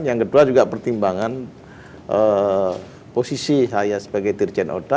yang kedua juga pertimbangan posisi saya sebagai dirjen oda